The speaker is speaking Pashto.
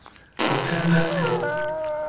کوټه هسکه وه.